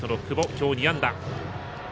今日２安打。